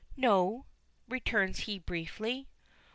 "No," returns he briefly.